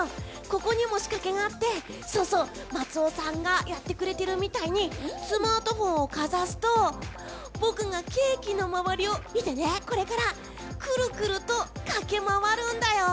ここにも仕掛けがあって松尾さんがやってくれているみたいにスマートフォンをかざすと僕がケーキの周りをくるくると駆け回るんだよ！